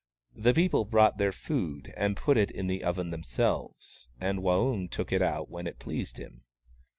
The people brought their food, and put it in the oven themselves, and Waung took it out when it pleased him.